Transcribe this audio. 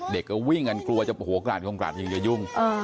เด็กก็วิ่งกันกลัวจะโอ้โหกราดคงกราดยิงจะยุ่ง